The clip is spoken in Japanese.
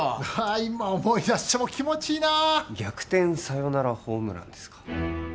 今思い出しても気持ちいいなあ逆転サヨナラホームランですか